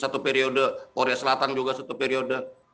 satu periode korea selatan juga satu periode